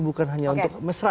bukan hanya untuk mesra